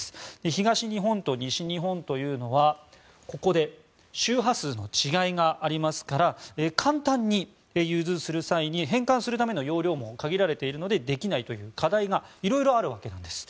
東日本と西日本というのはここで周波数の違いがありますから簡単に融通する際に変換するための容量も限られているのでできないという課題が色々あるわけなんです。